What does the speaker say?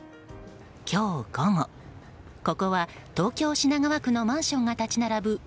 今日午後ここは東京・品川区のマンションが立ち並ぶ